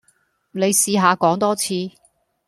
你試下講多次?